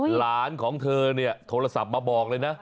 หลานของเธอเนี่ยโทรศัพท์มาบอกเลยนะ